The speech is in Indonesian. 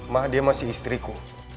ma dia masih istriku